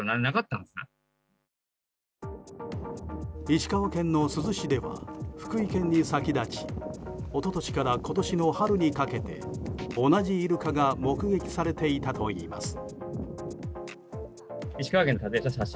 石川県の珠洲市では福井県に先立ち一昨年から今年の春にかけて同じイルカが目撃されていたといいます。